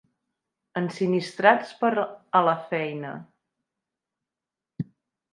Ensinistrats per a la feina.